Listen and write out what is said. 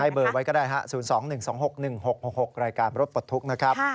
เบอร์ไว้ก็ได้๐๒๑๒๖๑๖๖รายการรถปลดทุกข์นะครับ